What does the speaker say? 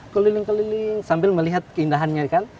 keliling keliling sambil melihat keindahannya kan